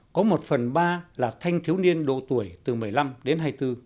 có một phần ba là thanh thiếu niên độ tuổi từ một mươi năm đến hai mươi bốn